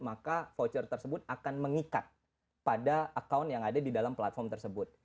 maka voucher tersebut akan mengikat pada account yang ada di dalam platform tersebut